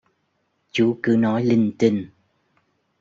chú cứ nói linh tinh